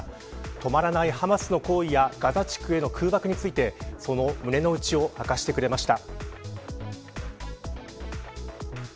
止まらないハマスの行為やガザ地区への空爆についてその胸の内を明かしてくれました。